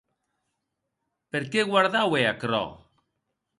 Per qué guardaue aquerò?